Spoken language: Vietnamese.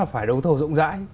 phải đấu thầu rộng rãi